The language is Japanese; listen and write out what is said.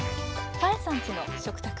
「多江さんちの食卓」。